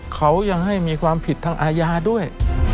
เขายังให้มีความผิดทางอาญาด้วย